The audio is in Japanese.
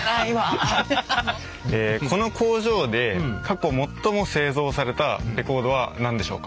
この工場で過去最も製造されたレコードは何でしょうか？